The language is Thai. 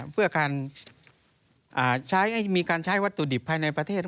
เพื่อการใช้ให้มีการใช้วัตถุดิบภายในประเทศ